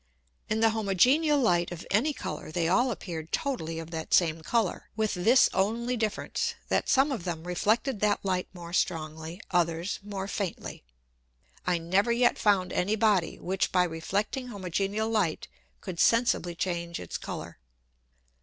In the homogeneal Light of any Colour they all appeared totally of that same Colour, with this only Difference, that some of them reflected that Light more strongly, others more faintly. I never yet found any Body, which by reflecting homogeneal Light could sensibly change its Colour.